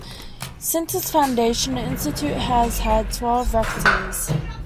Since its foundation the institute has had twelve rectors.